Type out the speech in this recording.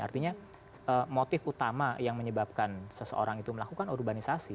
artinya motif utama yang menyebabkan seseorang itu melakukan urbanisasi